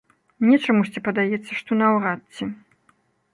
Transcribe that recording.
Мне чамусьці падаецца, што наўрад ці.